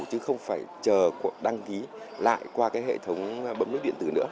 chứ không phải chờ đăng ký lại qua cái hệ thống bấm nước điện tử nữa